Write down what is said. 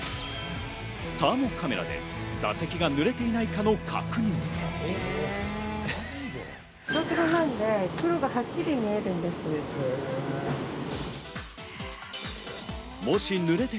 サーモカメラで座席が濡れていないかの確認も。